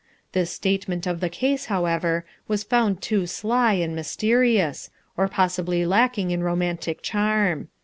This statement of the case however, was found too sly and mysterious, or possibly lacking in romantic charm.